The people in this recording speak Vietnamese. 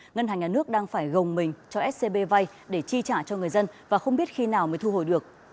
ngân hàng nhà nước đang phải gồng mình cho scb vay để chi trả cho người dân và không biết khi nào mới thu hồi được